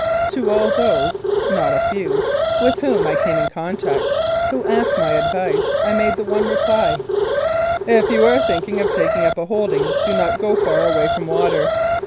To all those (not a few) with whom I came in contact who asked my advice I made the one reply :" If you are thinking of taking up a holding do not go far away from water.